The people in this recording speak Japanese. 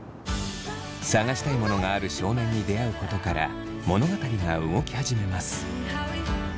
探したいモノがある少年に出会うことから物語が動き始めます。